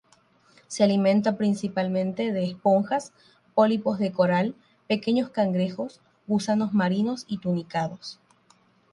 Se alimenta principalmente de esponjas, pólipos de coral, pequeños cangrejos, gusanos marinos y tunicados.